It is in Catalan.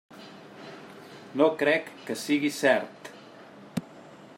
No crec que sigui cert.